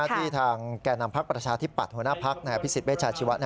ที่ทางแก่นำพักประชาธิปัตย์หัวหน้าพักพิสิทธเวชาชีวะ